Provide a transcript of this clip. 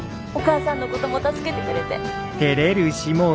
お母さんのことも助けてくれて。